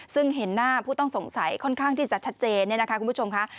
ซึ่งเห็นหน้าผู้ต้องสงสัยค่อนข้างที่จะชัดเจนเนี่ยนะคะคุณผู้ชมค่ะ